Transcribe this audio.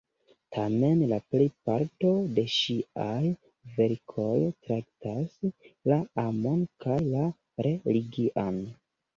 Tamen la plejparto de ŝiaj verkoj traktas la amon kaj la religian.